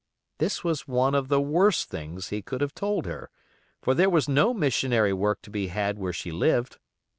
This was one of the worst things he could have told her, for there was no missionary work to be had where she lived.